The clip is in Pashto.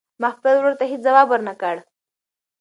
ما خپل ورور ته هېڅ ځواب ورنه کړ.